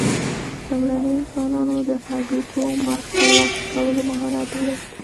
لومړنیو انسانانو د هډوکو مغز ترلاسه کولو مهارت درلود.